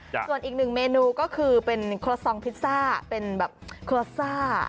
ส่วนอีกหนึ่งเมนูก็คือเป็นโครซองพิซซ่าเป็นแบบโครซ่า